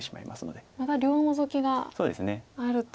また両ノゾキがあると。